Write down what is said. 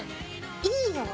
いいよ。